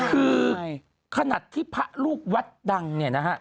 คือขนาดที่พระลูกวัดดังเนี่ยนะฮะ